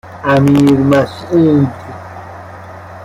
امیرمسعود